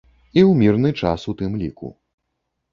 І ў мірны час у тым ліку.